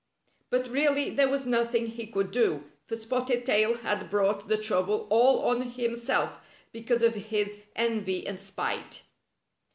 But really there was nothing he could do, for Spotted Tail had brought the trouble all on himself because of his envy and spite.